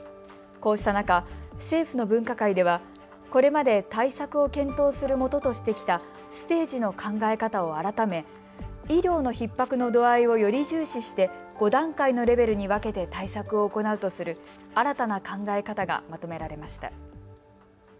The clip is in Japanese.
こうした中、政府の分科会ではこれまで対策を検討するもととしてきたステージの考え方を改め、医療のひっ迫の度合いをより重視して、５段階のレベルに分けて対策を行うとする新たな考え方がまとめられました。